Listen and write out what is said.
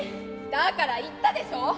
「だから言ったでしょ？